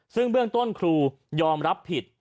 ซึ่งเบื้องต้นครูยอมรับผิด